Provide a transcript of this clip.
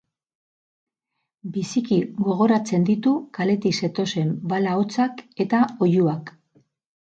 Biziki gogoratzen ditu kaletik zetozen bala-hotsak eta oihuak.